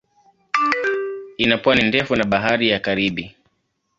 Ina pwani ndefu na Bahari ya Karibi.